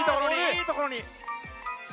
いいところに！